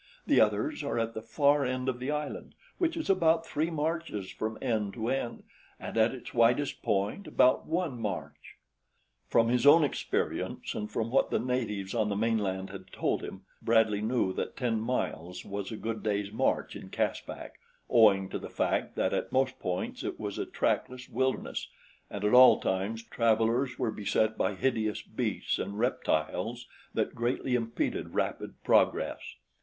The others are at the far end of the island, which is about three marches from end to end and at its widest point about one march." From his own experience and from what the natives on the mainland had told him, Bradley knew that ten miles was a good day's march in Caspak, owing to the fact that at most points it was a trackless wilderness and at all times travelers were beset by hideous beasts and reptiles that greatly impeded rapid progress.